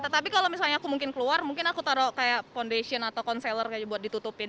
tapi kalau misalnya aku mungkin keluar mungkin aku taruh foundation atau concealer buat ditutupin